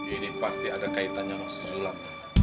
ini pasti ada kaitannya sama si sulam